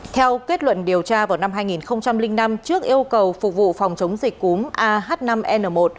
theo kết luận điều tra vào năm hai nghìn năm trước yêu cầu phục vụ phòng chống dịch cúm ah năm n một